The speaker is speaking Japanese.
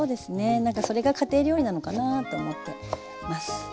何かそれが家庭料理なのかなと思ってます。